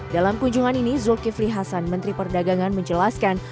dalam kunjungan ini zulkifli hasan menteri perdagangan menjelaskan